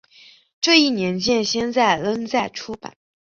这一年鉴现在仍在出版。